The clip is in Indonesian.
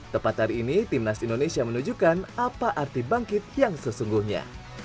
tepat hari ini timnas indonesia menunjukkan apa arti bangkit yang sesungguhnya